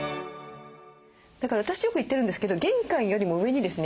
だから私よく言ってるんですけど玄関よりも上にですね